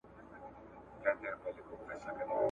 ټولنپوهنه د ټولنیزو رواجونو په ژور تحلیل کې مرسته کوي.